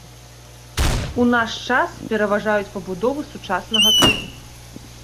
У наш час пераважаюць пабудовы сучаснага тыпу.